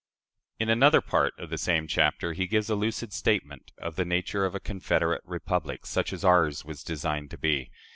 " In another part of the same chapter he gives a lucid statement of the nature of a confederate republic, such as ours was designed to be.